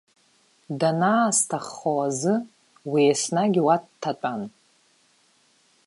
Данаасҭаххо азы уи еснагь уа дҭатәан.